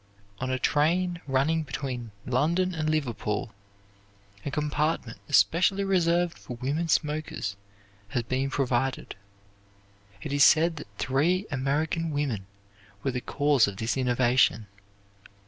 On a train running between London and Liverpool, a compartment especially reserved for women smokers has been provided. It is said that three American women were the cause of this innovation.